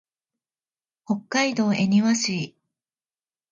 北海道恵庭市